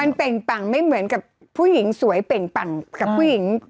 มันเป่งปังไม่เหมือนกับผู้หญิงสวยเป่งปังกับผู้หญิง